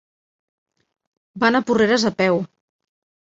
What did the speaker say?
Va anar a Porreres a peu.